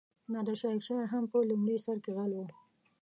نادرشاه افشار هم په لومړي سر کې غل و.